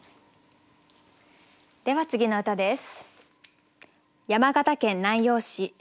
では次の歌です。